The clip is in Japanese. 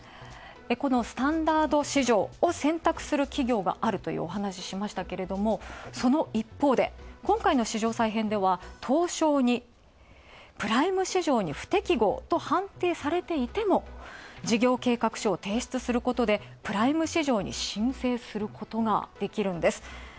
このスタンダード市場を選択する企業があるというお話しましたがその一方で、今回の市場再編では東証にプライム市場に不適合と判定されていても事業計画書を提出することでプライム市場に申請することができるんです。